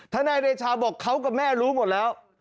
นายเดชาบอกเขากับแม่รู้หมดแล้ว